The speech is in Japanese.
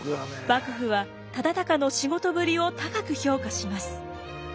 幕府は忠敬の仕事ぶりを高く評価します。